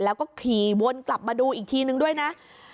แล้วก็ขี่วนกลับมาดูอีกทีนึงด้วยนะ